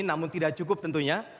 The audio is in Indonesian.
namun tidak cukup tentunya